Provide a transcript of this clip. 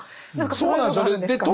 そうなんですよね。